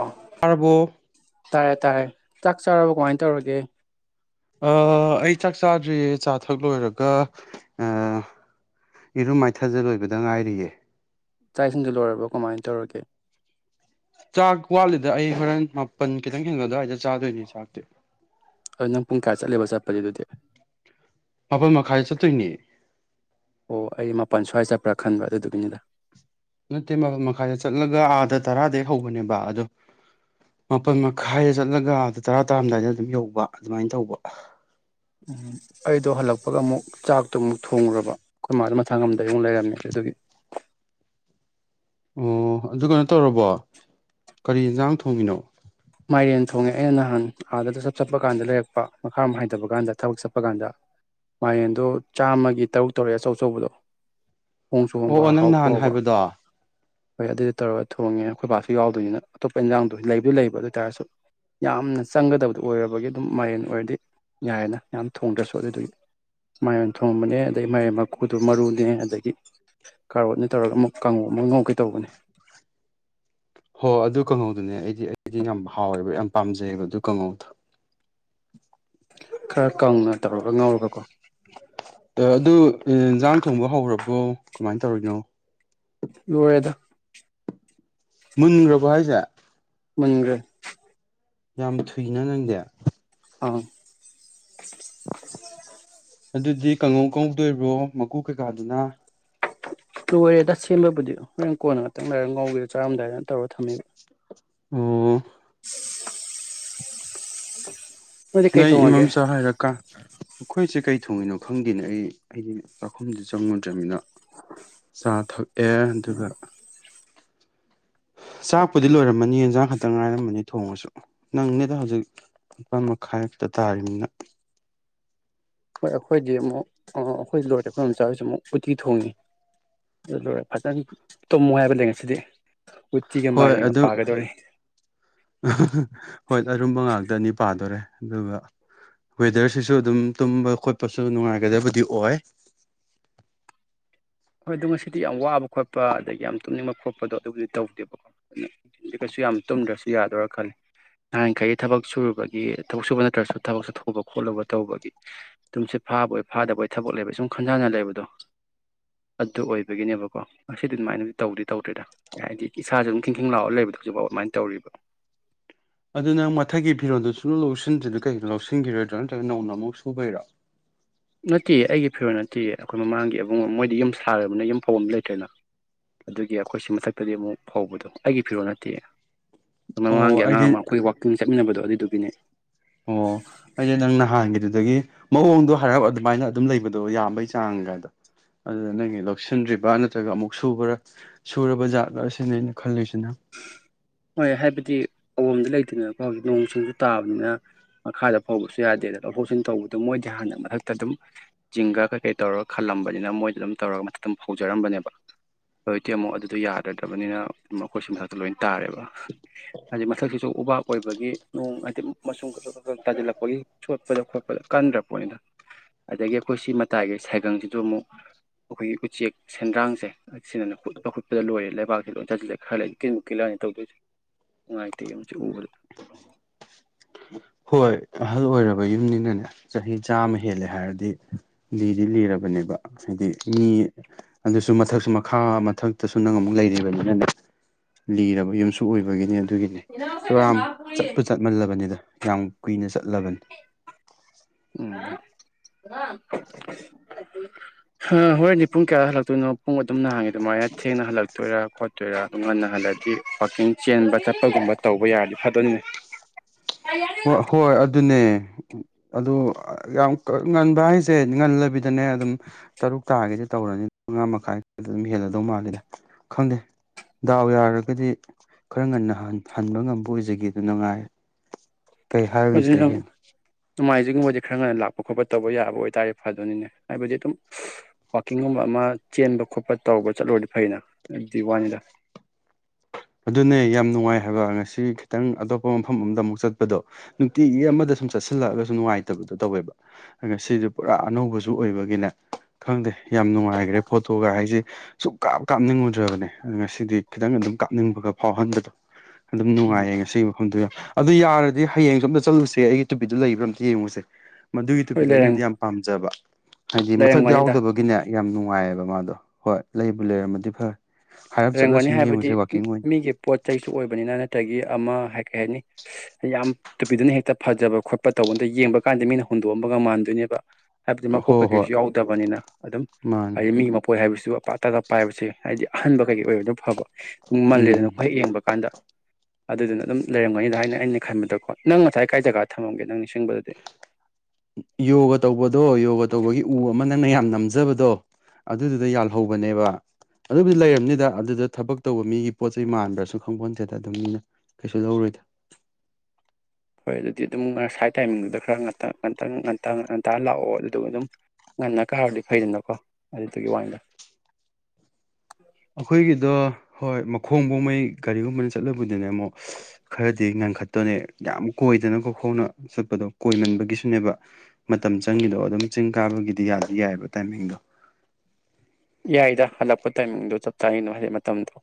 ꯑꯣ ꯇꯥꯔꯕꯣ ꯇꯥꯔꯦ ꯇꯥꯔꯦ ꯆꯥꯛ ꯆꯥꯔꯕꯣ ꯀꯃꯥꯏꯅ ꯇꯧꯔꯒꯦ ꯑ ꯑꯩ ꯆꯥꯛ ꯆꯥꯗ꯭ꯔꯤꯌꯦ ꯆꯥ ꯊꯛ ꯂꯣꯏꯔꯒ ꯏꯔꯨ ꯃꯥꯏꯊꯖ ꯂꯣꯏꯕꯗ ꯉꯥꯏꯔꯤꯌꯦ ꯆꯥꯛ ꯏꯁꯤꯡꯗꯤ ꯂꯣꯏꯔꯕꯣ ꯀꯃꯥꯏꯅ ꯇꯧꯔꯒꯦ ꯆꯥꯛ ꯋꯥꯠꯂꯤꯗ ꯑꯩ ꯍꯣꯔꯦꯟ ꯃꯥꯄꯟ ꯈꯤꯇꯪ ꯍꯦꯡꯕꯗ ꯑꯗꯨꯋꯥꯏꯗ ꯆꯥꯗꯣꯏꯅꯤ ꯆꯥꯛꯇꯤ ꯑ ꯅꯪ ꯄꯨꯡ ꯀꯌꯥꯥ ꯆꯠꯂꯤꯕ ꯆꯠꯄꯗꯤ ꯑꯗꯨꯗꯤ ꯃꯥꯄꯜ ꯃꯈꯥꯏ ꯆꯠꯇꯣꯏꯅꯦ ꯑꯣ ꯑꯩ ꯃꯥꯄꯜ ꯁ꯭ꯋꯥꯏ ꯆꯠꯄ꯭ꯔꯥ ꯈꯟꯕ ꯑꯗꯨꯗꯨꯒꯤꯅꯤꯗ ꯅꯠꯇꯦ ꯃꯄꯜ ꯃꯈꯥꯏꯗ ꯆꯠꯂꯒ ꯑꯥꯗ ꯇꯔꯥꯗꯒꯤꯩ ꯍꯧꯕꯅꯦꯕ ꯑꯗꯣ ꯃꯥꯄꯜ ꯃꯈꯥꯏꯗ ꯆꯠꯂꯒ ꯑꯥꯗ ꯇꯔꯥ ꯇꯔꯝꯗꯥꯏꯗ ꯑꯗꯨꯝ ꯌꯧꯕ ꯑꯗꯨꯃꯥꯏ ꯇꯧꯕ ꯎꯝ ꯑꯩꯗꯣ ꯍꯜꯂꯛꯄꯒ ꯑꯃꯨꯛ ꯆꯥꯛꯇꯣ ꯑꯃꯨꯛ ꯊꯣꯡꯉꯨꯔꯕ ꯑꯩꯈꯣꯏ ꯃꯥꯗꯣ ꯃꯁꯥꯉꯝꯗ ꯂꯩꯔꯝꯃꯦ ꯑꯗꯨꯒꯤ ꯑꯣ ꯑꯗꯨ ꯀꯩꯅꯣ ꯇꯧꯔꯕꯣ ꯀꯔꯤ ꯌꯦꯟꯖꯥꯡ ꯊꯣꯡꯉꯤꯅꯣ ꯃꯥꯏꯔꯦꯟ ꯊꯣꯡꯉꯦ ꯑꯩꯅ ꯅꯍꯥꯟ ꯑꯥꯗꯗ ꯆꯠ ꯆꯠꯄ ꯀꯥꯟꯗ ꯂꯩꯔꯛꯄ ꯃꯈꯥꯔꯣꯝ ꯍꯥꯏꯊꯕ ꯀꯥꯟꯗ ꯊꯕꯛ ꯆꯠꯄ ꯀꯥꯟꯗ ꯃꯥꯏꯔꯦꯟꯗꯣ ꯆꯥꯝꯃꯒꯤ ꯇꯔꯨꯛ ꯇꯧꯔꯛꯑꯦ ꯑꯆꯧ ꯑꯆꯧꯕꯗꯣ ꯍꯣꯡꯁꯨ ꯑꯣ ꯑꯣ ꯍꯣꯡꯕ ꯅꯪ ꯍꯥꯎꯁꯨ ꯅꯍꯥꯟ ꯍꯥꯎꯕ ꯍꯥꯏꯕꯗꯣ ꯍꯣꯏ ꯑꯗꯨꯗ ꯇꯧꯔꯒ ꯊꯣꯡꯉꯦ ꯑꯩꯈꯣꯏ ꯄꯥꯁꯨ ꯌꯥꯎꯗꯣꯏꯅꯤꯅ ꯑꯇꯣꯞꯄ ꯏꯟꯖꯥꯡꯗꯣ ꯂꯩꯕꯨꯗꯤ ꯂꯩꯕ ꯇꯥꯔꯁꯨ ꯌꯥꯝꯅ ꯆꯪꯒꯗꯕꯗꯨ ꯑꯣꯏꯔꯕꯒꯤ ꯑꯗꯨꯝ ꯃꯥꯏꯔꯟ ꯑꯣꯏꯔꯗꯤ ꯌꯥꯔꯦꯅ ꯌꯥꯝ ꯊꯣꯡꯗ꯭ꯔꯁꯨ ꯑꯗꯨꯒꯤ ꯃꯥꯏꯌꯦꯟ ꯊꯣꯡꯕꯅꯦ ꯑꯗꯩ ꯃꯥꯏꯔꯦꯟ ꯃꯀꯨꯗꯨ ꯃꯔꯨꯅꯦ ꯑꯗꯒꯤ ꯀꯥꯔꯣꯠꯅꯦ ꯇꯧꯔꯒ ꯑꯃꯨꯛ ꯀꯥꯡꯉꯧ ꯑꯃ ꯉꯧꯒꯦ ꯇꯧꯕꯅꯦ ꯍꯣ ꯑꯗꯨ ꯀꯥꯡꯉꯧꯗꯨꯅꯦ ꯑꯩꯗꯤ ꯑꯩꯗꯤ ꯌꯥꯝ ꯍꯥꯎꯋꯦꯕ ꯌꯥꯝ ꯄꯥꯝꯖꯩꯑꯦꯕ ꯑꯗꯨ ꯀꯥꯡꯍꯧꯗꯣꯥ ꯈꯔ ꯀꯪꯅ ꯇꯧꯔꯒ ꯉꯧꯔꯒꯀꯣ ꯑꯗꯨ ꯑꯦ ꯏꯟꯖꯥꯡ ꯊꯣꯡꯕ ꯍꯧꯔꯕꯣ ꯀꯃꯥꯏꯅ ꯇꯧꯔꯤꯅꯣ ꯂꯣꯏꯔꯦꯗ ꯃꯨꯟꯈ꯭ꯔꯕꯣ ꯍꯥꯏꯁꯦ ꯃꯨꯟꯒ꯭ꯔꯦ ꯌꯥꯝ ꯊꯨꯏꯅ ꯅꯪꯗꯤ ꯑꯥ ꯑꯗꯨꯗꯤ ꯀꯥꯡꯉꯧ ꯉꯧꯗꯣꯏꯕ꯭ꯔꯣ ꯃꯀꯨ ꯀꯩꯀꯥꯗꯨꯅ ꯂꯣꯏꯔꯦꯗ ꯁꯦꯝꯕꯕꯨꯗꯤ ꯍꯣꯔꯦꯟ ꯀꯣꯟꯅ ꯉꯥꯛꯇꯪ ꯂꯥꯏꯔꯒ ꯉꯧꯒꯦ ꯆꯥꯔꯝꯗꯥꯏꯗ ꯇꯧꯔ ꯊꯝꯃꯦꯕ ꯎꯣ ꯅꯣꯏꯗꯤ ꯀꯩ ꯅꯣꯏ ꯊꯣꯡꯉꯒꯦ ꯏꯃꯝꯆꯥ ꯍꯥꯏꯔ ꯀ ꯑꯩꯈꯣꯏꯁꯦ ꯀꯩ ꯊꯣꯡꯉꯤꯅꯣ ꯈꯪꯗꯦꯅꯦ ꯑꯩ ꯑꯩꯗꯤ ꯆꯥꯛꯈꯨꯝꯗꯤ ꯆꯪꯉꯨꯗ꯭ꯔꯃꯤꯅ ꯆꯥꯊꯛ ꯑꯦ ꯑꯗꯨꯒ ꯆꯥꯛꯄꯨꯗꯤ ꯂꯣꯏꯔꯝꯃꯅꯤ ꯌꯦꯟꯖꯥꯡ ꯈꯛꯇꯪ ꯉꯥꯏꯔꯝꯃꯅꯤ ꯊꯣꯡꯉꯁꯨ ꯅꯪꯅꯦꯗ ꯍꯧꯖꯤꯛ ꯅꯤꯄꯥꯜ ꯃꯈꯥꯏꯃꯨꯛꯇ ꯇꯥꯔꯤꯃꯤꯅ ꯍꯣꯏ ꯑꯩꯈꯣꯏꯗꯤ ꯑꯃꯨꯛ ꯑꯩꯈꯣꯏ ꯂꯣꯏꯔꯦ ꯑꯩꯈꯣꯏ ꯏꯝꯆꯥꯍꯣꯢꯁꯨ ꯑꯃꯨꯛ ꯎꯇꯤ ꯊꯣꯡꯉꯤ ꯑꯗꯨ ꯂꯣꯏꯔ ꯐꯖꯅ ꯇꯨꯝꯃꯨ ꯍꯥꯏꯕ ꯂꯩ ꯉꯁꯤꯗꯤ ꯎꯇꯤꯒ ꯍꯣꯏ ꯃꯥꯏꯔꯦꯟꯒ ꯑꯗꯨ ꯄꯥꯒꯗꯧꯔꯤ ꯍꯣꯏ ꯑꯔꯨꯝꯕ ꯉꯥꯛꯇ ꯅꯤ ꯄꯥꯗꯣꯔꯦ ꯑꯗꯨꯒ ꯋꯦꯗꯔꯁꯤꯁꯨ ꯑꯗꯨꯝ ꯇꯨꯝꯕ ꯈꯣꯠꯄꯁꯨ ꯅꯨꯡꯉꯥꯏꯒꯗꯕꯗꯤ ꯑꯣꯏ ꯍꯣꯏ ꯑꯗꯨꯣ ꯉꯁꯤꯗꯤ ꯌꯥꯝ ꯋꯥꯕ ꯈꯣꯠꯄ ꯑꯗꯒꯤ ꯌꯥꯝ ꯇꯨꯝꯅꯤꯡꯕ ꯈꯣꯠꯄꯗꯣ ꯑꯗꯨꯕꯨꯗꯤ ꯇꯧꯗꯦꯕꯀꯣ ꯑꯗꯨ ꯀꯩꯁꯨ ꯌꯥꯝ ꯇꯨꯝꯗ꯭ꯔꯁꯨ ꯌꯥꯗꯣꯔꯥ ꯈꯜꯂꯤ ꯅꯍꯥꯟꯈꯩ ꯊꯕꯛ ꯁꯨꯔꯨꯕꯒꯤ ꯊꯕꯛ ꯁꯨꯕ ꯅꯠꯇ꯭ꯔꯁꯨ ꯊꯕꯛ ꯆꯠꯊꯣꯛꯂꯨꯕ ꯈꯣꯠꯂꯨꯕ ꯇꯧꯕꯒꯤ ꯇꯨꯝꯁꯤꯠ ꯐꯥꯕꯣꯏ ꯐꯥꯗꯕꯣꯏ ꯊꯕꯛ ꯂꯩꯕ ꯁꯨꯝ ꯈꯟꯖꯅ ꯂꯩꯕꯗꯣ ꯑꯗꯨ ꯑꯣꯏꯕꯒꯤꯅꯦꯕꯀꯣ ꯉꯁꯤꯗꯤ ꯑꯗꯨꯃꯥꯏꯅꯗꯤ ꯇꯧꯗꯤ ꯇꯧꯗꯦꯗ ꯍꯥꯏꯗꯤ ꯏꯁꯥꯥꯁꯤ ꯑꯗꯨꯝ ꯈꯤꯡꯈꯡ ꯂꯥꯎꯔꯒ ꯂꯩꯕꯗꯣ ꯍꯧꯖꯤꯛꯐꯥꯎ ꯑꯗꯨꯃꯥꯏꯅ ꯇꯧꯔꯤꯕ ꯑꯗꯨ ꯅꯪ ꯃꯊꯛꯒꯤ ꯐꯤꯔꯣꯟꯜꯗꯨ ꯁꯨ ꯂꯧ ꯂꯧꯁꯤꯟꯗ꯭ꯔꯤꯗꯣ ꯀꯩꯒꯤꯅꯣ ꯂꯧꯁꯤꯟꯈꯤꯔꯣꯏꯗ꯭ꯔꯣ ꯅꯇ꯭ꯔꯒ ꯅꯧꯅ ꯑꯃꯨꯛ ꯁꯨꯕꯩꯔꯣ ꯅꯠꯇꯦ ꯑꯩꯒꯤ ꯐꯤꯔꯣꯜ ꯅꯠꯇꯦꯌꯦ ꯑꯩꯈꯣꯏ ꯃꯃꯥꯡꯒꯤ ꯏꯕꯨꯡꯉꯣ ꯃꯣꯏꯗꯤ ꯌꯨꯝ ꯁꯥꯔꯕꯅ ꯌꯨꯝ ꯐꯧ ꯕꯝ ꯂꯩꯇ꯭ꯔꯦꯅ ꯑꯗꯨꯒꯤ ꯑꯩꯈꯣꯏ ꯁꯤ ꯃꯊꯛꯇꯗꯤ ꯑꯃꯨꯛ ꯐꯧꯕꯗꯣ ꯑꯩꯒꯤ ꯐꯤꯔꯣꯜ ꯅꯠꯇꯤꯌꯦ ꯑꯣ ꯃꯃꯥꯡꯒꯤ ꯑꯉꯥꯡ ꯑꯩꯗꯤ ꯑꯃ ꯑꯩꯈꯣꯏ ꯋꯥꯛꯀꯤꯡ ꯆꯠꯃꯤꯟꯅꯕꯗꯣ ꯑꯗꯨꯢꯗꯨꯒꯤꯅꯦ ꯑꯣ ꯑꯩꯗꯤ ꯅꯪ ꯅꯍꯥꯟꯒꯤꯗꯨꯅꯦ ꯑꯗꯨꯗꯒꯤ ꯃꯑꯣꯡꯗꯣ ꯍꯥꯏꯔꯥꯞ ꯑꯗꯨꯃꯥꯏꯅ ꯑꯗꯨꯝ ꯂꯩꯕꯗꯣ ꯌꯥꯝꯕꯩ ꯆꯥꯡꯒꯗꯣ ꯑꯗꯨꯗ ꯅꯪꯒꯤ ꯂꯧꯁꯤꯟꯗ꯭ꯔꯤꯕ ꯅꯠꯇ꯭ꯔꯒ ꯑꯃꯨꯛ ꯁꯨꯕ꯭ꯔ ꯁꯨꯔꯕ ꯖꯥꯠꯂ ꯑꯁꯤꯅꯦ ꯑꯩꯅ ꯈꯜꯂꯤꯁꯤ ꯍꯣꯏ ꯍꯥꯏꯕꯗꯤ ꯑꯣꯝꯗ ꯂꯩ [unintelligible] ꯅꯣꯡ ꯁꯤꯡꯁꯨ ꯇꯥꯕꯅꯤꯅ ꯃꯈꯥꯗ ꯐꯧꯕꯁꯨ ꯌꯥꯗꯦ ꯐꯥꯎꯗꯣꯛ ꯐꯥꯎꯖꯤꯟ ꯇꯧꯕꯗ ꯃꯣꯏꯗꯤ ꯍꯥꯟꯅ ꯃꯊꯛꯇ ꯑꯗꯨꯝ ꯖꯤꯡꯒ ꯀꯩꯀꯩ ꯇꯧꯔꯒ ꯈꯜꯂꯝꯕꯅꯤꯅ ꯃꯣꯏꯗ ꯑꯗꯨꯝ ꯇꯧꯔꯒ ꯃꯊꯛꯇ ꯐꯧꯖꯔꯝꯕꯅꯦꯕ ꯍꯧꯖꯤꯛꯇꯤ ꯑꯃꯨꯛ ꯑꯗꯨꯗꯣ ꯌꯥꯗꯗ꯭ꯔꯕꯅꯤꯅ ꯃ ꯑꯩꯈꯣꯏꯁꯤ ꯃꯊꯛꯇ ꯂꯣꯏ ꯇꯥꯔꯦꯕ ꯑꯗꯩ ꯃꯊꯛꯇꯁꯨ ꯎꯕꯥꯛ ꯑꯣꯏꯕꯒꯤ ꯅꯣꯡ ꯍꯥꯏꯗꯤ ꯃꯆꯨꯝ ꯈꯛ ꯅꯣꯡ ꯇꯥꯖꯤꯜꯂꯛꯄꯒꯤ ꯆꯣꯠ ꯎꯠꯄꯗ ꯈꯣꯠꯄꯗ ꯀꯥꯟꯗ꯭ꯔ ꯄꯣꯠꯅꯤꯗ ꯑꯗꯒꯤ ꯑꯩꯈꯣꯏ ꯁꯤ ꯃꯇꯥꯏꯒꯤ ꯁꯥꯏꯒꯪꯁꯤꯁꯨ ꯑꯃꯨꯛ ꯑꯩꯈꯣꯏꯒꯤ ꯎꯆꯦꯛ ꯁꯦꯟꯗ꯭ꯔꯥꯡꯁꯦ ꯑꯁꯤꯅꯅꯦ ꯍꯨꯠꯄ ꯍꯨꯠꯄꯗ ꯂꯣꯏꯔꯦ ꯂꯩꯕꯥꯛꯁꯤ ꯂꯣꯏ ꯆꯥꯁꯤꯜꯂꯛꯑꯦ ꯈꯔ ꯂꯩꯔꯒ ꯀꯤꯟ ꯀꯤꯂꯅꯦ ꯇꯧꯗꯣꯏꯁꯦ ꯅꯨꯡꯉꯥꯏꯇꯦ ꯌꯦꯡꯎ ꯁꯤ ꯎꯕꯗ ꯍꯣꯏ ꯑꯍꯜ ꯑꯣꯏꯔꯕ ꯌꯨꯝꯅꯤꯅꯅꯦ ꯆꯍꯤ ꯆꯥꯝꯃ ꯍꯦꯜꯂꯦ ꯍꯥꯏꯔꯗꯤ ꯂꯤꯗꯤ ꯂꯤꯔꯕꯅꯦꯕ ꯍꯥꯏꯗꯤ ꯃꯤ ꯑꯗꯨꯁꯨ ꯃꯊꯛꯁꯨ ꯃꯈꯥ ꯃꯊꯛꯇꯁꯨ ꯅꯪ ꯑꯃꯨꯛ ꯂꯩꯔꯤꯕꯅꯤꯅꯅꯦ ꯂꯤꯔꯕ ꯌꯨꯝꯁꯨ ꯑꯣꯏꯕꯒꯤꯅꯦ ꯑꯗꯨꯒꯤꯅꯦ ꯄ꯭ꯔꯣꯒꯝ ꯆꯠꯄꯨ ꯆꯠꯃꯜꯂꯕꯅꯤꯗ ꯀꯨꯏꯅ ꯆꯠꯂꯕꯅꯤ ꯎꯝ ꯍꯥ ꯍꯣꯔꯦꯟꯗꯤ ꯄꯨꯡ ꯀꯌꯥꯗ ꯍꯜꯂꯛꯇꯣꯏꯅꯣ ꯄꯨꯡ ꯑꯗꯨꯝ ꯅꯥꯢ ꯑꯗꯨꯃꯥꯏꯅ ꯊꯦꯡꯅ ꯍꯜꯂꯛꯇꯣꯏꯔꯥ ꯈꯣꯠꯇꯣꯏꯔꯥ ꯑꯗꯨꯝ ꯉꯟꯅ ꯍꯜꯂꯗꯤ ꯄꯥꯔꯀꯤꯡ ꯆꯦꯟꯕ ꯆꯠꯄꯒꯨꯝꯕ ꯇꯧꯕ ꯌꯥꯔꯗꯤ ꯐꯗꯣꯢꯅꯤ ꯍꯣꯏ ꯍꯣꯏ ꯑꯗꯨꯅꯦ ꯑꯗꯨ ꯌꯥꯝ ꯉꯟꯕ ꯍꯥꯏꯁꯦ ꯉꯜꯂꯕꯤꯗꯅꯦ ꯑꯗꯨꯝ ꯇꯔꯨꯛ ꯇꯥꯒꯦꯗꯤ ꯇꯧꯔꯅꯤ ꯃꯉꯥ ꯃꯈꯥꯏ ꯑꯗꯨꯝ ꯍꯦꯜꯂꯗꯧ ꯃꯥꯜꯂꯤꯗ ꯈꯪꯗꯦ ꯗꯥꯎ ꯌꯥꯔꯒꯗꯤ ꯈꯔ ꯉꯟꯅ ꯍꯟꯕ ꯉꯝꯕ ꯑꯣꯏꯖꯒꯦ ꯑꯗꯨꯅꯉꯥꯏꯔꯦ ꯀꯩ ꯍꯥꯏꯔꯨꯅꯤ ꯁꯤꯗꯒꯤ ꯍꯦꯟꯅ ꯍꯧꯖꯤꯛꯒꯨꯝꯕꯗꯤ ꯈꯔ ꯉꯟꯅ ꯂꯥꯛꯄ ꯈꯣꯠꯄ ꯇꯧꯕ ꯌꯥꯕ ꯑꯣꯏꯇꯥꯔꯗꯤ ꯐꯗꯧꯅꯤꯅꯦ ꯍꯥꯏꯕꯗꯤ ꯑꯗꯨꯝ ꯋꯥꯛꯀꯤꯡꯒꯨꯝꯕ ꯑꯃ ꯆꯦꯟꯕ ꯈꯣꯠꯄ ꯇꯧꯕ ꯆꯠꯂꯨꯔꯗꯤ ꯐꯩꯅ ꯑꯗꯨꯏ ꯋꯥꯅꯤꯗ ꯑꯗꯨꯅꯦ ꯌꯥꯝ ꯅꯨꯡꯉꯥꯏ ꯍꯥꯏꯕ ꯉꯁꯤ ꯈꯤꯇꯪ ꯑꯇꯣꯞꯄ ꯃꯐꯝ ꯑꯃꯗ ꯑꯃꯨꯛ ꯆꯠꯄꯗꯣ ꯅꯨꯡꯇꯤꯒꯤ ꯑꯃꯗ ꯁꯨꯝ ꯆꯠꯁꯤꯜꯂꯛꯑꯒꯁꯨ ꯅꯨꯡꯉꯥꯏꯇꯕꯗꯣ ꯇꯧꯋꯦꯕ ꯉꯁꯤꯁꯨ ꯄꯨꯔꯥ ꯑꯅꯧꯕꯁꯨ ꯑꯣꯏꯕꯒꯤꯅꯦ ꯈꯪꯗꯦ ꯌꯥꯝ ꯅꯨꯡꯉꯥꯏꯈ꯭ꯔꯦ ꯐꯣꯇꯣꯒ ꯍꯥꯏꯁꯦ ꯁꯨꯡ ꯀꯥꯞ ꯀꯥꯞꯅꯤꯡꯉꯨꯗ꯭ꯔꯕꯅꯦ ꯉꯁꯤꯗꯤ ꯈꯤꯇꯪ ꯑꯗꯨꯝ ꯀꯥꯞꯅꯤꯡꯕꯒ ꯐꯥꯎꯍꯟꯕꯗꯣ ꯑꯗꯨꯝ ꯎꯝ ꯅꯨꯡꯉꯥꯏꯌꯦ ꯉꯁꯤꯒꯤ ꯃꯐꯝꯗꯨ ꯌꯥꯝ ꯑꯗꯨ ꯌꯥꯔꯗꯤ ꯍꯌꯦꯡꯁꯨ ꯑꯝꯇ ꯆꯠꯂꯨꯁꯦ ꯑꯩꯒꯤ ꯇꯨꯄꯤꯗꯨ ꯂꯩꯕ꯭ꯔꯥ ꯑꯝꯇ ꯌꯦꯡꯉꯨꯁꯦ ꯃꯗꯨꯒꯤ ꯍꯣꯏ ꯇꯣꯄꯤꯗꯣ ꯂꯩꯔꯝ ꯑꯩꯅꯗꯤ ꯌꯥꯝꯅ ꯄꯥꯝꯖꯕ ꯍꯥꯏꯗꯤ ꯃꯊꯛ ꯂꯩꯔꯝꯒꯅꯤꯗ ꯌꯥꯎꯗꯕꯒꯤꯅꯦ ꯌꯥꯝ ꯅꯨꯡ ꯅꯨꯡꯉꯥꯏꯌꯦꯕ ꯃꯥꯗꯣ ꯍꯣꯏ ꯂꯩꯕꯨ ꯎꯝ ꯂꯩꯔꯝꯃꯗꯤ ꯐꯔꯦ ꯍꯥꯏꯔꯞ ꯆꯠꯂ ꯂꯩꯔꯝꯒꯅꯤ ꯁꯨꯝ ꯍꯥꯏꯕꯗꯤ ꯌꯦꯡꯉꯨꯁꯦ ꯋꯥ ꯃꯤꯒꯤ ꯄꯣꯠ ꯆꯩꯁꯨ ꯑꯣꯏꯕꯅꯤꯅ ꯇꯒꯤ ꯑꯃ ꯍꯥꯏ ꯀꯩ ꯍꯥꯏꯅꯤ ꯌꯥꯝ ꯇꯨꯄꯤꯗꯨꯅ ꯍꯦꯛꯇ ꯐꯖꯕ ꯈꯣꯠꯄ ꯇꯧꯕꯗ ꯌꯦꯡꯕ ꯀꯥꯟꯗ ꯃꯤꯅ ꯍꯨꯟꯗꯣꯛꯑꯝꯕꯒ ꯃꯥꯟꯗꯣꯏꯅꯦꯕ ꯍꯥꯏꯕꯗꯤ ꯍꯣ ꯃꯀꯣꯛ ꯍꯣꯏ ꯀꯩꯀꯩꯁꯨ ꯌꯥꯎꯗꯕꯅꯤꯅ ꯑꯗꯨꯝ ꯃꯥꯅꯦ ꯍꯥꯏꯗꯤ ꯃꯤꯒꯤ ꯃꯥꯄꯣꯠ ꯍꯥꯏꯕꯁꯤ [inaudible] ꯇꯒ ꯄꯥꯏꯕꯁꯦ ꯍꯥꯏꯗꯤ ꯑꯍꯟꯕ ꯀꯩꯀꯩ ꯑꯣꯏꯔꯗꯤ ꯐꯥꯕ ꯎꯝ ꯃꯜꯂꯦꯗꯅꯀꯣ ꯍꯦꯛ ꯌꯦꯡꯕ ꯀꯥꯟꯗ ꯑꯗꯨꯗꯨꯅ ꯑꯗꯨꯝ ꯂꯩꯔꯝꯒꯅꯤꯗ ꯍꯥꯏꯅ ꯑꯩꯅ ꯈꯟꯕꯗꯀꯣ ꯅꯪ ꯉꯁꯥꯏ ꯀꯥꯏ ꯖꯒꯥꯗ ꯊꯝꯃꯝꯒꯦ ꯅꯪ ꯅꯤꯡꯁꯤꯡꯕꯗꯗꯤ ꯌꯣꯒ ꯇꯧꯕꯗꯣ ꯌꯣꯒ ꯇꯧꯕꯒꯤ ꯎ ꯑꯃ ꯅꯪꯅ ꯌꯥꯝ ꯅꯝꯖꯕꯗꯣ ꯑꯗꯨꯗꯨꯗ ꯌꯥꯜꯍꯧꯕꯅꯦꯕ ꯑꯗꯨꯕꯨꯗꯤ ꯂꯩꯔꯝꯅꯤꯗ ꯑꯗꯨꯗ ꯊꯕꯛ ꯇꯧꯕ ꯃꯤꯒꯤ ꯄꯣꯠ ꯆꯩ ꯃꯥꯟꯕ꯭ꯔꯁꯨ ꯈꯪꯕꯣꯠꯇꯦꯗ ꯑꯗꯨꯝ ꯃꯤꯅ ꯀꯩꯁꯨ ꯂꯧꯔꯣꯏꯗ ꯍꯣꯏ ꯑꯗꯨꯗꯤ ꯑꯗꯨꯝ ꯉꯁꯥꯏ ꯇꯥꯏꯃꯤꯡꯗꯨꯗ ꯈꯔ ꯉꯟꯇꯛ ꯉꯟꯇꯛ ꯉ ꯇ ꯉꯟꯇꯥ ꯂꯥꯛꯑꯣ ꯑꯗꯨꯗꯨꯒ ꯑꯗꯨꯝ ꯉꯟꯅ ꯀꯥꯔꯨꯔꯗꯤ ꯐꯩꯗꯅꯀꯣ ꯑꯗꯨꯗꯨꯒꯤ ꯋꯥꯅꯤꯗ ꯑꯩꯈꯣꯏꯒꯤꯗꯣ ꯍꯣꯏ ꯃꯈꯣꯡꯕꯨꯃꯩ ꯒꯥꯔꯤꯒꯨꯝꯕꯅ ꯆꯠꯂꯕꯨꯗꯨꯅꯦ ꯑꯃꯨꯛ ꯈꯔꯗꯤ ꯉꯟꯈꯠꯇꯣꯅꯦ ꯌꯥꯝ ꯀꯣꯏꯗꯅꯕ ꯈꯣꯡꯅ ꯆꯠꯄꯗꯣ ꯀꯣꯏꯃꯟꯕꯒꯤꯁꯨꯅꯦꯕ ꯃꯇꯝ ꯆꯪꯉꯤꯗꯣ ꯑꯗꯣ ꯃꯤ ꯆꯤꯡ ꯀꯥꯕꯒꯤꯗꯤ ꯌꯥꯗꯤ ꯌꯥꯏꯕ ꯇꯥꯏꯃꯤꯡꯗꯣ ꯌꯥꯏꯗ ꯍꯜꯂꯛꯄ ꯇꯥꯏꯃꯤꯡꯗꯣ ꯆꯞ ꯆꯥꯔꯤꯅꯣ ꯍꯥꯏꯗꯤ ꯃꯇꯝꯗꯣ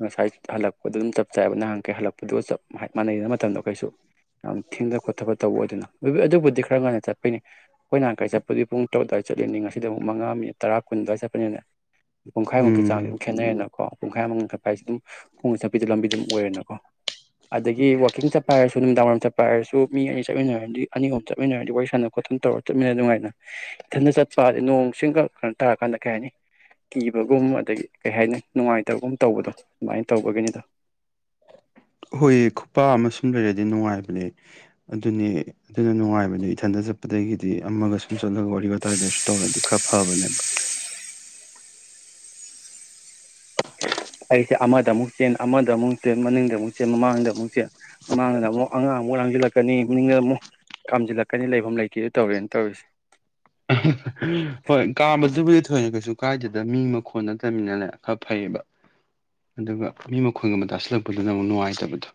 ꯉꯁꯥꯏ ꯍꯜꯂꯛꯄꯗꯣ ꯑꯗꯨꯝ ꯆꯞ ꯆꯥꯏꯑꯦꯕ ꯅꯍꯥꯟꯈꯩ ꯍꯜꯂꯛꯄꯗꯨꯒ ꯆꯞ ꯃꯥꯟꯅꯩꯗꯅ ꯃꯇꯝꯗꯣ ꯀꯩꯁꯨ ꯌꯥꯝ ꯊꯦꯡꯗ ꯈꯣꯠꯊꯕ ꯇꯧꯕ ꯑꯣꯏꯗꯦꯅ ꯑꯗꯨꯕꯨꯗꯤ ꯈꯔ ꯉꯟꯅ ꯆꯠꯄꯩꯅꯤ ꯑꯩꯈꯣꯏ ꯅꯍꯥꯟꯈꯩ ꯆꯠꯄꯗꯤ ꯄꯨꯡ ꯇꯔꯨꯛ ꯑꯗꯨꯋꯥꯏ ꯆꯠꯂꯤꯅꯤ ꯉꯁꯤꯗ ꯑꯃꯨꯛ ꯃꯉꯥ ꯃꯤꯅꯤꯠ ꯇꯔꯥ ꯀꯨꯟ ꯑꯗꯨꯋꯥꯏ ꯆꯠꯄꯅꯤꯅ ꯄꯨꯡꯈꯥꯏꯃꯨꯛꯀꯤ ꯆꯥꯡꯁꯨ ꯎꯝ ꯑꯗꯨꯝ ꯈꯦꯠꯅꯩꯌꯦꯅꯀꯣ ꯄꯨꯡꯈꯥꯏ ꯃꯨꯛ ꯉꯟ ꯈꯠꯄ ꯍꯥꯏꯁꯤ ꯑꯗꯨꯝ ꯈꯣꯡꯅ ꯆꯠꯄꯤꯗ ꯂꯝꯕꯤꯅ ꯗꯨꯝ ꯑꯣꯏꯔꯦꯅꯀꯣ ꯑꯗꯒꯤ ꯋꯥꯀꯤꯡ ꯆꯠꯄ ꯍꯥꯏꯔꯁꯨ ꯅꯨꯃꯤꯗꯥꯡ ꯋꯥꯏꯔꯝ ꯆꯠꯄ ꯍꯥꯏꯔꯁꯨ ꯃꯤ ꯑꯅꯤ ꯆꯠꯃꯤꯟꯅꯔꯗꯤ ꯑꯅꯤ ꯑꯍꯨꯝ ꯆꯠꯃꯤꯟꯅꯔꯗꯤ ꯋꯥꯔꯤ ꯁꯥꯟꯅ ꯈꯣꯠꯅ ꯇꯧꯔ ꯆꯠꯃꯤꯟꯅ ꯅꯨꯡꯉꯥꯏꯅ ꯏꯊꯟꯗ ꯆꯠꯄ ꯍꯥꯏꯗꯤ ꯅꯣꯡ ꯁꯤꯡꯒ ꯈꯔ ꯇꯔꯀꯥꯟꯗ ꯀꯩ ꯍꯥꯏꯅꯤ ꯀꯤꯕꯒꯨꯝ ꯑꯗꯒꯤ ꯀꯩ ꯍꯥꯏꯅꯤ ꯅꯨꯡꯉꯥꯏꯇꯕꯒꯨꯝ ꯇꯧꯕꯗꯣ ꯑꯗꯨꯃꯥꯏꯅ ꯇꯧꯕꯒꯤꯅꯤꯗ ꯍꯣꯏ ꯈꯨꯄꯥ ꯑꯃ ꯁꯨꯝ ꯂꯩꯔꯗꯤ ꯅꯨꯡꯉꯥꯏꯕꯅꯦ ꯑꯗꯨꯅꯤ ꯑꯗꯨꯅ ꯅꯨꯡꯉꯥꯏꯕꯅꯦ ꯏꯊꯟꯗ ꯆꯠꯄꯗꯒꯤꯗꯤ ꯑꯃꯒ ꯁꯨꯝ ꯆꯠꯂꯒ ꯋꯥꯔꯤ ꯋꯥꯇꯥꯏꯗꯁꯨ ꯇꯧꯔꯗꯤ ꯈꯔ ꯐꯕꯅꯦꯕ ꯑꯩꯁꯦ ꯑꯃꯗ ꯑꯃꯨꯛ ꯆꯦꯟ ꯑꯃꯗ ꯑꯃꯨꯛ ꯆꯦꯟ ꯃꯅꯤꯡꯗ ꯑꯃꯨꯛ ꯆꯦꯟ ꯃꯃꯥꯡꯗ ꯑꯃꯨꯛ ꯆꯦꯟ ꯃꯃꯥꯡꯗ ꯑꯃꯨꯛ ꯑꯉꯥꯡ ꯑꯃꯨꯛ ꯂꯥꯡꯖꯤꯜꯂꯛꯀꯅꯤ ꯃꯅꯤꯡꯗꯅ ꯑꯃꯨꯛ ꯀꯥꯝꯖꯤꯜꯂꯛꯀꯅꯤ ꯂꯩꯕꯝ ꯂꯩꯇꯦꯗꯣ ꯇꯧꯔꯦꯅꯦ ꯇꯧꯔꯤꯁꯦ ꯍꯣꯏ ꯀꯥꯝꯕꯁꯤꯕꯨꯗꯤ ꯊꯣꯏꯅ ꯀꯩꯁꯨ ꯀꯥꯏꯗꯦꯅ ꯃꯤ ꯃꯈꯣꯟ ꯅꯠꯇꯕꯅꯤꯅꯅꯦ ꯈꯔ ꯐꯩꯌꯦꯕ ꯑꯗꯨꯒ ꯃꯤ ꯃꯈꯣꯟꯒꯨꯝ ꯑꯃꯨꯛ ꯇꯥꯁꯤꯜꯂꯛꯄꯗꯨꯅ ꯑꯃꯨꯛ ꯅꯨꯡꯉꯥꯏꯇꯕꯗꯣ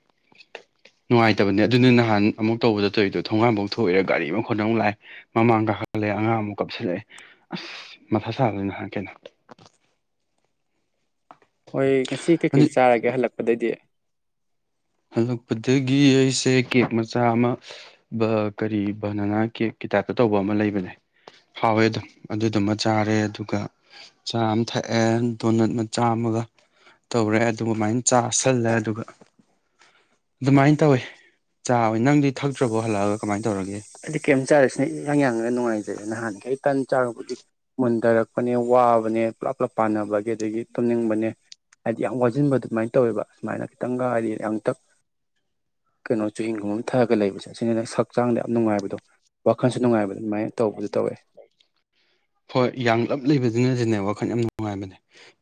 ꯅꯨꯡꯉꯥꯏꯇꯕꯅꯦ ꯑꯗꯨꯅꯦ ꯅꯍꯥꯟ ꯑꯃꯨꯛ ꯇꯧꯕꯗ ꯇꯧꯔꯤꯗꯣ ꯊꯣꯡꯒꯥꯝꯐꯥꯎ ꯊꯣꯛꯑꯦ ꯒꯥꯔꯤ ꯃꯈꯣꯟꯅ ꯑꯃꯨꯛ ꯂꯥꯛꯑꯦ ꯃꯃꯥꯡ ꯀꯥꯈꯠꯂꯦ ꯑꯉꯥꯡꯨ ꯑꯃꯨꯛ ꯀꯞꯁꯤꯜꯂꯛꯑꯦ ꯑꯁ ꯃꯊꯥ ꯁꯥꯕꯅꯤ ꯅꯍꯥꯟ ꯀꯩꯅꯣ ꯍꯣꯏ ꯉꯁꯤ ꯀꯩꯀꯩ ꯑꯗꯨ ꯆꯥꯔꯒꯦ ꯍꯜꯂꯛꯄꯗꯩꯗꯤ ꯍꯜꯂꯛꯄꯗꯒꯤ ꯑꯩꯁꯦ ꯀꯦꯛ ꯃꯆꯥ ꯑꯃ ꯕ ꯀꯔꯤ ꯕꯅꯥꯅꯥ ꯀꯦꯛꯀꯤ ꯇꯥꯏꯞꯇ ꯇꯧꯕ ꯑꯃ ꯂꯩꯕꯅꯦ ꯍꯥꯎꯋꯦ ꯑꯗꯨꯝ ꯑꯗꯨꯗꯨꯃ ꯆꯥꯔꯦ ꯑꯗꯨꯒ ꯆꯥ ꯑꯃ ꯊꯛꯑꯦ ꯗꯣꯅꯠ ꯃꯆꯥ ꯑꯃꯒ ꯇꯧꯔꯦ ꯑꯗꯨꯃꯥꯏꯅ ꯆꯥꯁꯜꯂꯦ ꯑꯗꯨꯒ ꯑꯗꯨꯃꯥꯏꯅ ꯇꯧꯋꯦ ꯆꯥꯑꯣꯏ ꯅꯪꯗꯤ ꯊꯛꯇ꯭ꯔꯥꯕꯣ ꯍꯜꯂꯛꯑꯒ ꯀꯃꯥꯏꯅ ꯇ ꯑꯩꯗꯤ ꯀꯩꯝ ꯆꯗꯦ ꯁꯤ ꯅꯪ ꯌꯥꯡꯉꯒ ꯅꯨꯡꯉꯥꯏꯖꯩ ꯅꯍꯥꯟꯈꯩ ꯇꯟ ꯆꯥꯔꯨꯕꯨꯗꯤ ꯃꯨꯟꯊꯔꯛꯄꯅꯦ ꯋꯥꯕꯅꯦ ꯄꯨꯂꯞ ꯄꯨꯂꯞ ꯄꯥꯅꯕꯒꯤ ꯑꯗꯒꯤ ꯇꯨꯝꯅꯤꯡꯕꯅꯦ ꯍꯥꯏꯗꯤ ꯌꯥꯝ ꯋꯥꯁꯤꯟꯕ ꯑꯗꯨꯃꯥꯏꯅ ꯇꯧꯋꯦꯕ ꯁꯨꯃꯥꯏꯅ ꯈꯤꯇꯪꯒ ꯍꯥꯏꯗꯤ ꯌꯥꯡꯇꯛ ꯀꯩꯅꯣ ꯆꯨꯍꯤꯡꯒꯨꯝꯕ ꯑꯃ ꯊꯛꯑꯒ ꯂꯩꯕꯁꯦ ꯑꯁꯤꯅꯅ ꯍꯛꯆꯥꯡꯗ ꯌꯥꯝ ꯅꯨꯡꯉꯥꯏꯕꯗꯣ ꯋꯥꯈꯜꯁꯨ ꯅꯨꯡꯉꯥꯏꯕꯗ ꯑꯗꯨꯃꯥꯏꯅ ꯇꯧꯕꯗꯣ ꯇꯧꯋꯦ ꯍꯣꯏ ꯌꯥꯡꯂꯞ ꯂꯩꯕꯗꯨꯅꯗꯤꯅꯦ ꯋꯥꯈꯜ ꯌꯥꯝ ꯅꯨꯡꯉꯥꯏꯕꯅꯦ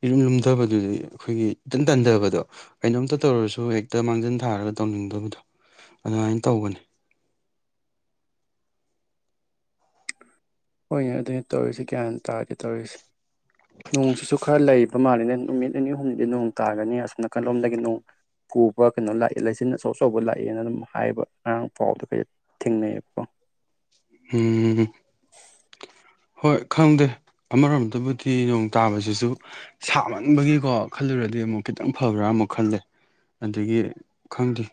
ꯏꯔꯨꯝ ꯂꯨꯝꯗꯕꯗꯨꯗꯤ ꯑꯩꯈꯣꯏꯒꯤ ꯏꯇꯟ ꯇꯟꯗꯕꯗꯣ ꯀꯩꯅꯣꯝꯇ ꯇꯧꯔꯁꯨ ꯍꯦꯛꯇ ꯃꯥꯡꯖꯤꯟ ꯊꯥꯔꯒ ꯇꯧꯅꯤꯡꯗꯕꯗꯣ ꯑꯗꯨꯃꯥꯏꯅ ꯇꯧꯕꯅꯦ ꯍꯣꯏꯅꯦ ꯑꯗꯨꯅꯦ ꯇꯧꯔꯤꯁꯦ ꯒ꯭ꯌꯥꯟ ꯇꯥꯗꯦ ꯇꯧꯔꯤꯁꯦ ꯅꯣꯡꯁꯤꯁꯨ ꯈꯔ ꯂꯩꯕ ꯃꯥꯜꯂꯤꯅꯦ ꯅꯨꯃꯤꯠ ꯅꯤꯅꯤ ꯍꯨꯝꯅꯤꯗꯤ ꯅꯣꯡ ꯇꯥꯒꯅꯤ ꯑꯁꯨꯝ ꯅꯥꯀꯜꯂꯣꯝꯗꯒꯤ ꯅꯣꯡ ꯄꯨꯕ ꯀꯩꯅꯣ ꯂꯥꯛꯑꯦ ꯂꯩꯆꯤꯟ ꯑꯆꯧ ꯑꯆꯧꯕ ꯂꯥꯛꯑꯦꯅ ꯑꯗꯨꯝ ꯍꯥꯏꯕ ꯉꯔꯥꯡ ꯐꯥꯎꯗ ꯀꯩꯗ ꯊꯦꯡꯅꯩꯑꯦꯕꯀꯣ ꯍꯦꯍꯦ ꯍꯣꯏ ꯈꯪꯗꯦ ꯑꯃꯔꯣꯝꯗꯕꯨꯗꯤ ꯅꯣꯡ ꯇꯥꯕꯖꯤꯖꯨ ꯁꯥꯃꯟꯕꯒꯤꯀꯣ ꯈꯜꯂꯨꯔꯗꯤ ꯑꯃꯨꯛ ꯈꯤꯇꯪ ꯐꯕ꯭ꯔꯥ ꯑꯃꯨꯛ ꯈꯜꯂꯦ ꯑꯗꯒꯤ ꯈꯪꯗꯦ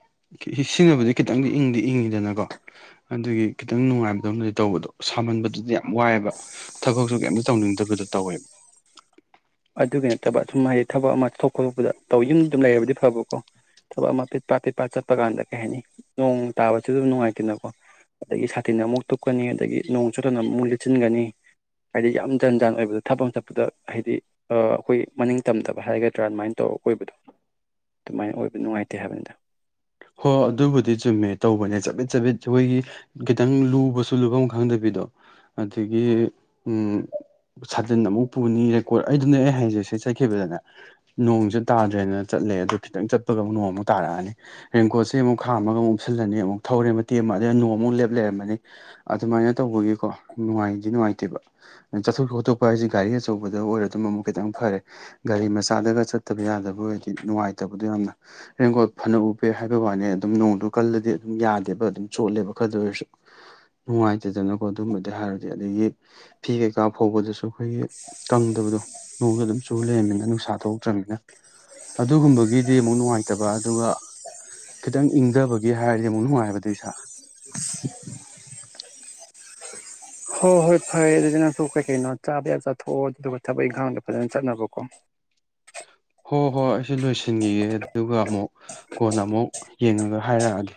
ꯁꯤꯅꯕꯨꯗꯤ ꯈꯤꯇꯪꯗꯤ ꯏꯪꯗꯤ ꯏꯪꯉꯤꯗꯅꯀꯣ ꯑꯗꯨꯒꯤ ꯈꯤꯇꯪ ꯅꯨꯡꯉꯥꯏ ꯑꯗꯣꯝꯗꯗꯤ ꯇꯧꯕꯗꯣ ꯁꯥꯃꯟꯕꯗꯨꯗꯤ ꯋꯥꯏꯑꯦꯕ ꯊꯕꯛ ꯑꯗꯣ ꯀꯩꯝꯇ ꯇꯧꯅꯤꯡꯗꯕꯗꯣ ꯇꯧꯋꯦꯕ ꯑꯗꯨꯒꯤ ꯅꯠꯇꯕ ꯁꯨꯝ ꯍꯥꯏꯗꯤ ꯊꯕꯛ ꯑꯃ ꯆꯊꯣꯛ ꯈꯣꯇꯣꯛꯄꯗ ꯇꯧ ꯌꯨꯝ ꯑꯗꯨꯝ ꯂꯩꯔꯕꯗꯤ ꯐꯕꯀꯣ ꯊꯕꯛ ꯑꯃ ꯄꯤꯠꯄ ꯄꯤꯠꯄ ꯆꯠꯄ ꯀꯥꯟꯗ ꯀꯩ ꯍꯥꯏꯅꯤ ꯅꯣꯡ ꯇꯥꯕꯖꯨ ꯑꯗꯨꯝ ꯅꯨꯡꯉꯥꯏꯇꯦꯅꯀꯣ ꯑꯗꯒꯤ ꯁꯥꯇꯤꯟ ꯑꯃꯨꯛ ꯇꯨꯞꯀꯅꯤ ꯑꯗꯒꯤ ꯅꯣꯡ ꯆꯨꯗꯅ ꯑꯃꯨꯛ ꯂꯤꯠꯆꯤꯟꯒꯅꯤ ꯍꯥꯏꯗꯤ ꯌꯥꯝ ꯖꯟ ꯖꯥꯟ ꯑꯣꯏꯕꯗ ꯊꯕꯛ ꯑꯃ ꯆꯠꯄꯗ ꯍꯥꯏꯗꯤ ꯑ ꯑꯩꯈꯣꯏꯒꯤ ꯃꯅꯤꯡ ꯇꯝꯗꯕ ꯍꯥꯏꯒꯗ꯭ꯔꯥ ꯑꯗꯨꯃꯥꯏꯅ ꯇꯧꯔꯒ ꯀꯣꯏꯕꯗꯣ ꯑꯗꯨꯃꯥꯏꯅ ꯑꯣꯏꯕ ꯅꯨꯡꯉꯥꯏꯇꯦ ꯍꯥꯏꯕꯅꯤꯗ ꯍꯣ ꯍꯣ ꯑꯗꯨꯕꯨꯗꯤ ꯆꯨꯝꯃꯦ ꯇꯧꯕꯅꯦ ꯆꯕꯤꯠ ꯆꯕꯤꯠ ꯑꯩꯍꯣꯏꯒꯤ ꯈꯤꯇꯪ ꯂꯨꯕꯖꯨ ꯂꯨꯕꯝ ꯈꯪꯗꯕꯤꯗꯣ ꯑꯗꯒꯤ ꯁꯥꯇꯤꯟ ꯑꯃꯨꯛ ꯄꯨꯅꯤ ꯔꯦꯟꯀꯣꯠ ꯑꯩꯗꯨꯅꯦ ꯑꯩ ꯍꯥꯏꯖꯩ ꯁꯤꯗꯩ ꯆꯠꯈꯤꯕꯗꯅꯦ ꯅꯣꯡꯖꯦ ꯇꯥꯗ꯭ꯔꯦꯅ ꯆꯠꯂꯦ ꯑꯗꯣ ꯈꯤꯇꯪ ꯆꯠꯄꯒ ꯑꯃꯨꯛ ꯅꯣꯡꯃꯨꯛ ꯇꯥꯔꯛꯑꯅꯤ ꯔꯦꯟꯀꯣꯁꯦ ꯑꯃꯨꯛ ꯈꯥꯝꯃꯒꯃꯨꯛ ꯎꯨꯞꯁꯜꯂꯅꯤ ꯑꯃꯨꯛ ꯊꯧꯔꯦ ꯃꯇꯦꯛ ꯑꯃ ꯑꯗꯩ ꯅꯣꯡ ꯑꯃꯨꯛ ꯂꯦꯞ ꯂꯩꯔꯝꯃꯅꯤ ꯑꯗꯨꯃꯥꯏꯅ ꯇꯧꯕꯒꯤꯀꯣ ꯅꯨꯡꯉꯥꯏꯗꯤ ꯅꯨꯡꯉꯥꯏꯇꯦꯕ ꯆꯠꯊꯣꯛ ꯈꯣꯠꯇꯣꯛꯄ ꯍꯥꯏꯖꯦ ꯒꯥꯔꯤ ꯑꯆꯧꯕꯗ ꯑꯣꯏꯔ ꯑꯗꯨꯝ ꯑꯃꯨꯛ ꯈꯤꯇꯪ ꯐꯔꯦ ꯒꯥꯔꯤ ꯃꯆꯥꯗꯒ ꯆꯠꯇꯕ ꯌꯥꯗꯕ ꯑꯣꯏꯔꯗꯤ ꯅꯨꯡꯉꯥꯏꯇꯕꯗꯣ ꯌꯥꯝꯅ ꯔꯦꯟꯀꯣꯠ ꯐꯅꯕꯨ ꯐꯩ ꯍꯥꯏꯕꯩ ꯋꯥꯅꯤ ꯑꯗꯨꯝ ꯅꯣꯡꯗꯨ ꯀꯜꯂꯗꯤ ꯑꯗꯨꯝ ꯌꯥꯗꯦꯕ ꯑꯗꯨꯝ ꯆꯣꯠꯂꯦꯕ ꯈꯔꯗ ꯑꯣꯏꯔꯁꯨ ꯅꯨꯡꯉꯥꯏꯇꯗꯅꯀꯣ ꯑꯗꯨꯝꯕꯗꯤ ꯍꯥꯏꯔꯗꯤ ꯑꯗꯒꯤ ꯐꯤ ꯀꯩꯀꯥ ꯐꯧꯕꯗꯁꯨ ꯑꯩꯈꯣꯏꯒꯤ ꯀꯪꯗꯕꯗꯣ ꯅꯣꯡꯖꯨ ꯑꯗꯨꯝ ꯆꯨ ꯂꯩꯔꯃꯅꯤꯅ ꯅꯨꯡꯁꯥ ꯊꯣꯛꯛꯇ꯭ꯔꯝꯅꯤꯅ ꯑꯗꯨꯒꯨꯝꯕꯒꯤꯗꯤ ꯑꯃꯨꯛ ꯅꯨꯡꯉꯥꯏꯇꯕ ꯑꯗꯨꯒ ꯈꯤꯇꯪ ꯏꯪꯗꯕꯒꯤ ꯍꯥꯏꯔꯗꯤ ꯑꯃꯨꯛ ꯅꯨꯡꯉꯥꯏꯕꯗꯨꯏ ꯁꯥ ꯍꯣ ꯍꯣꯏ ꯐꯔꯦ ꯑꯗꯨꯗꯤ ꯅꯪꯁꯨ ꯀꯩ ꯀꯩꯅꯣ ꯆꯥꯕ ꯌꯥꯕ ꯆꯥꯊꯣꯛꯑꯣ ꯑꯗꯨꯒꯗꯨꯒ ꯊꯕꯛ ꯏꯪꯈꯥꯡꯗꯣ ꯐꯖꯅ ꯆꯠꯅꯕꯀꯣ ꯍꯣ ꯍꯣꯏ ꯑꯩꯁꯨ ꯂꯣꯏꯁꯤꯟꯒꯤꯒꯦ ꯑꯗꯨꯒ ꯑꯃꯨꯛ ꯀꯣꯟꯅ ꯑꯃꯨꯛ ꯌꯦꯡꯉꯒ ꯍꯥꯏꯔꯛꯑꯒꯦ